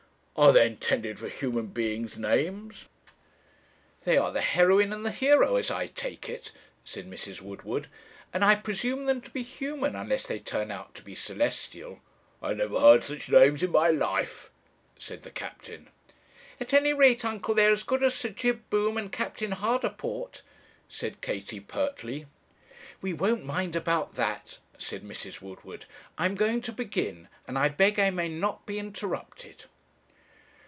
'Are they intended for human beings' names?' 'They are the heroine and the hero, as I take it,' said Mrs. Woodward, 'and I presume them to be human, unless they turn out to be celestial.' 'I never heard such names in my life,' said the captain. 'At any rate, uncle, they are as good as Sir Jib Boom and Captain Hardaport,' said Katie, pertly. 'We won't mind about that,' said Mrs. Woodward; 'I'm going to begin, and I beg I may not be interrupted.'